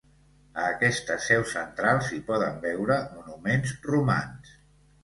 A aquesta seu central s'hi poden veure monuments romans.